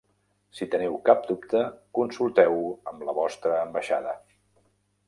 Si teniu cap dubte, consulteu-ho amb la vostra Ambaixada.